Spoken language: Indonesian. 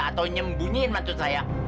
atau nyembunyiin mantu saya